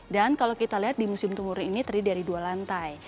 dan kalau kita lihat di museum tumurun ini terdiri dari dua lantai